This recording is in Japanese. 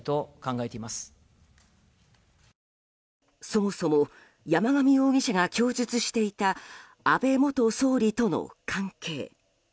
そもそも山上容疑者が供述していた安倍元総理との関係。